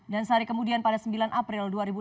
sehari kemudian pada sembilan april dua ribu delapan belas